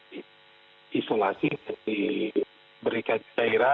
di isolasi diberikan cairan vitamin dan dimotivasi oleh dokter dan pak pak